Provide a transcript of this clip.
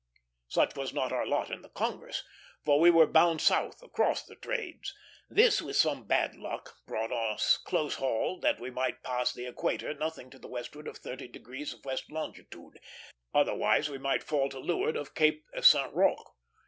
Such was not our lot in the Congress, for we were bound south, across the trades. This, with some bad luck, brought us close hauled, that we might pass the equator nothing to the westward of thirty degrees of west longitude; otherwise we might fall to leeward of Cape St. Roque.